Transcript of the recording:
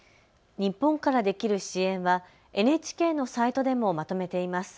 日本からできる支援はＮＨＫのサイトでもまとめています。